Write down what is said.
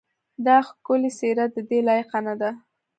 دا ښکلې څېره ددې لایقه نه ده.